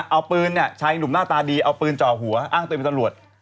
เอาปืนเนี่ยชายหนุ่มหน้าตาดีเอาปืนจ่อหัวอ้างตัวเองเป็นตำรวจ